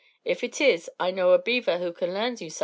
If it is, I know a beaver who kin larn you sumthin'.